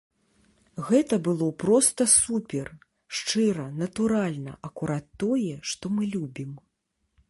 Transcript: Гэта было проста супер, шчыра, натуральна, акурат тое, што мы любім.